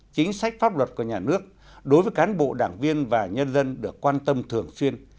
chính sách pháp luật của nhà nước đối với cán bộ đảng viên và nhân dân được quan tâm thường xuyên